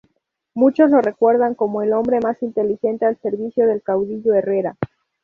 Muchos lo recuerdan como "el hombre más inteligente al servicio del caudillo Herrera".